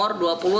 untuk yang pertama